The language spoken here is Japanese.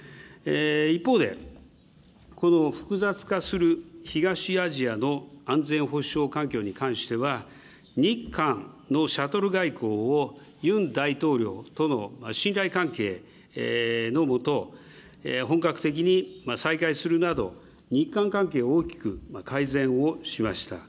一方で、この複雑化する東アジアの安全保障環境に関しては、日韓のシャトル外交をユン大統領との信頼関係の下、本格的に再開するなど、日韓関係を大きく改善をしました。